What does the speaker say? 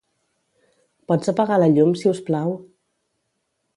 Pots apagar la llum, siusplau?